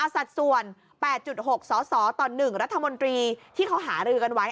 สัดส่วน๘๖สสต่อ๑รัฐมนตรีที่เขาหารือกันไว้